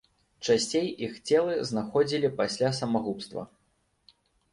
Часцей іх целы знаходзілі пасля самагубства.